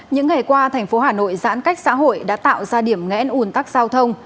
những ngày qua thành phố hà nội giãn cách xã hội đã tạo ra điểm ngẽn un tắc giao thông